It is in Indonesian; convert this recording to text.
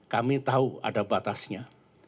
kami tahu ada batasnya